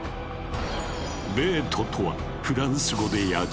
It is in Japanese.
「ベート」とはフランス語で「野獣」。